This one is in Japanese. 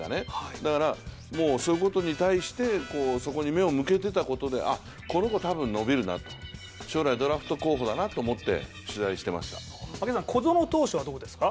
だからそういうことに対してそこに目を向けてたことでこの子、多分伸びるなと、将来ドラフト候補だなと思って小園投手はどうですか？